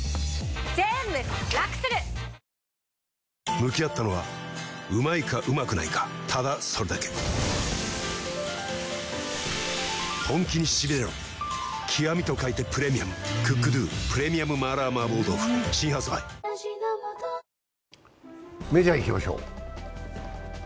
向き合ったのはうまいかうまくないかただそれだけ極と書いてプレミアム「ＣｏｏｋＤｏ極麻辣麻婆豆腐」新発売メジャーいきましょう。